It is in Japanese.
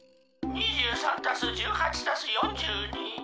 「２３＋１８＋４２」。